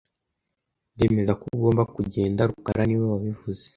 Ndemeza ko ugomba kugenda rukara niwe wabivuze